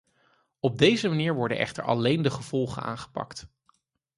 Op deze manier worden echter alleen de gevolgen aangepakt.